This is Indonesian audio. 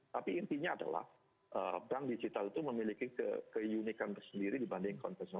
tapi intinya adalah bank digital itu memiliki keunikan tersendiri dibandingkan bank digital